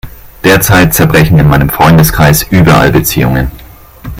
Derzeit zerbrechen in meinem Freundeskreis überall Beziehungen.